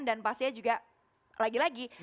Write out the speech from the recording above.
dan pastinya juga lagi lagi